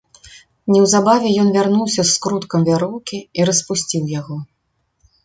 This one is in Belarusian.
Неўзабаве ён вярнуўся з скруткам вяроўкі і распусціў яго.